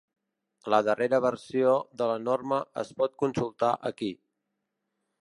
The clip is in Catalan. La darrera versió de la norma es pot consultar aquí.